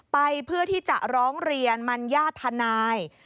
ไปเพื่อที่จะร้องเรียนมัญญาติทนาย